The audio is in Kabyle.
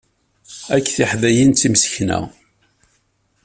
Akk tiḥkayin d timsekna.